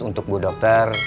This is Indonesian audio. untuk bu dokter